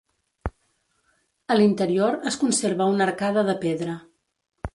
A l'interior es conserva una arcada de pedra.